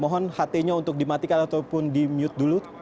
mohon htnya untuk dimatikan ataupun di mute dulu